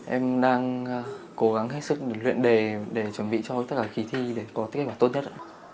em đang cố gắng hết sức luyện đề để chuẩn bị cho tất cả kỳ thi để có kết quả tốt nhất ạ